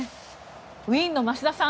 ウィーンの増田さん